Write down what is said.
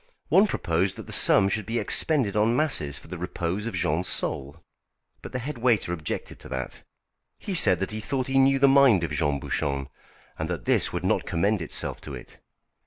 One proposed that the sum should be expended on masses for the repose of Jean's soul. But the head waiter objected to that. He said that he thought he knew the mind of Jean Bouchon, and that this would not commend itself to it.